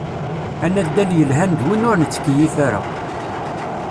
Anaddal yelhan d win ur nettkeyyif ara.